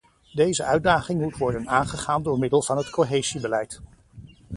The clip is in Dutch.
Deze uitdaging moet worden aangegaan door middel van het cohesiebeleid.